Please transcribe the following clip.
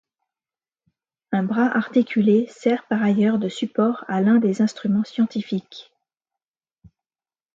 Un bras articulé sert par ailleurs de support à l'un des instruments scientifiques.